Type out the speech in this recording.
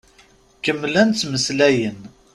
Kemmlen ttmeslayen.